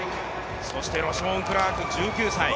そしてロショーン・クラーク。